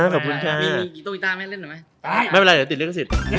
ไม่เป็นไรเดี๋ยวติดลิขสิทธิ์